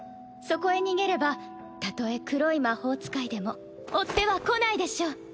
そこへ逃げればたとえ黒い魔法使いでも追っては来ないでしょう。